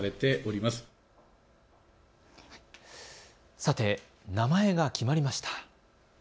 さて、名前が決まりました。